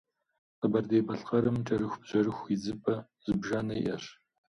Къэбэрдей-Балъкъэрым кӏэрыхубжьэрыху идзыпӏэ зыбжанэ иӏэщ.